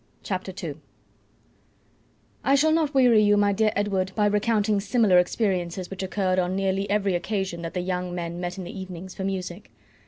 CHAPTER II I shall not weary you, my dear Edward, by recounting similar experiences which occurred on nearly every occasion that the young men met in the evenings for music.